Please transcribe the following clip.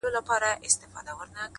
زما سجده دي ستا د هيلو د جنت مخته وي؛